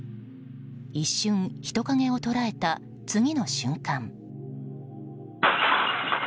一瞬、人影を捉えた次の瞬間。